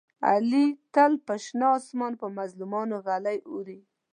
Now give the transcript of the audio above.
علي تل په شنه اسمان په مظلومانو ږلۍ اوروي.